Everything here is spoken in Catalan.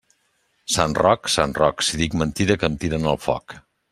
Sant Roc, sant Roc, si dic mentida que em tiren al foc.